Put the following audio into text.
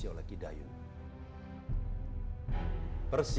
tuhan tuhan seini